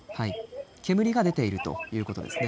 煙が出ているということですね。